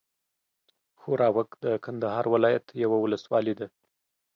ښوراوک د کندهار ولايت یوه اولسوالي ده.